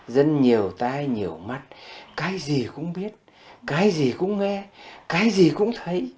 dân nhiều tai nhiều mắt cái gì cũng biết cái gì cũng nghe cái gì cũng thấy